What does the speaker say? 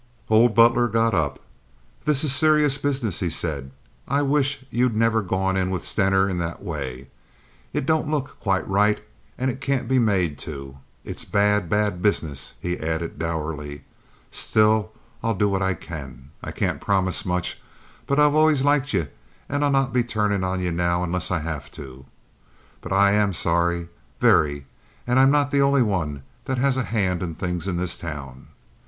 Old Butler got up. "This is serious business," he said. "I wish you'd never gone in with Stener in that way. It don't look quite right and it can't be made to. It's bad, bad business," he added dourly. "Still, I'll do what I can. I can't promise much, but I've always liked ye and I'll not be turning on ye now unless I have to. But I'm sorry—very. And I'm not the only one that has a hand in things in this town."